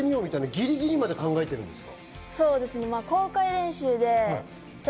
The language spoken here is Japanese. ぎりぎりまで考えてるんですか？